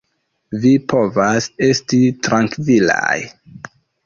Vi povas esti trankvilaj.